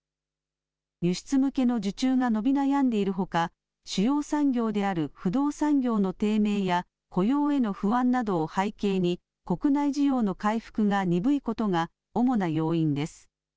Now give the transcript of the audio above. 輸出向けの受注が伸び悩んでいるほか主要産業である不動産業の低迷や雇用への不安などを背景に国内需要の回復が鈍いことが主な要因です。